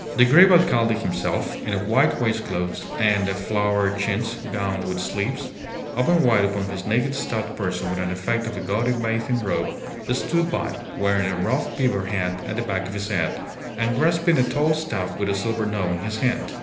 The grave alcalde himself, in a white waistcloth and a flowered chintz gown with sleeves, open wide upon his naked stout person with an effect of a gaudy bathing robe, stood by, wearing a rough beaver hat at the back of his head, and grasping a tall staff with a silver knob in his hand.